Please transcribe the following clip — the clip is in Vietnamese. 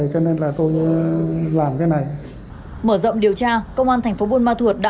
vì đắk vào trong torch